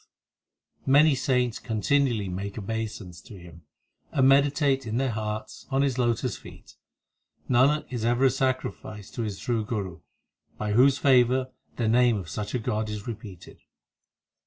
HYMNS OF GURU ARJAN 253 Many saints continually make obeisance to Him, And meditate in their hearts on His lotus feet. Nanak is ever a sacrifice to his true Guru, By whose favour the name of such a God is repeated.